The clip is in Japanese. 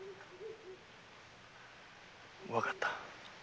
わかった。